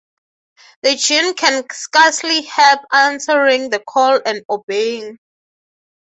The jinn can scarcely help answering the call and obeying.